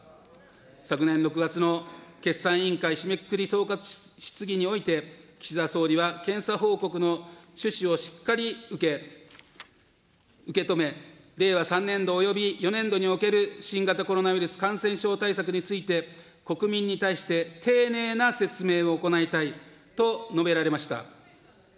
昨年６月の決算委員会締めくくり総括質疑において、岸田総理は検査報告の趣旨をしっかり受け、受け止め、令和３年度および４年度における新型コロナウイルス感染症対策について、国民に対して丁寧な説明を行いたいと述べられました。